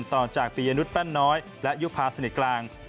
ต่อจากปียนุษยแป้นน้อยและยุภาสนิทกลาง